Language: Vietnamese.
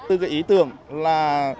từ cái ý tưởng là